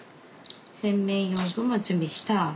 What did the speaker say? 洗面用具も準備した。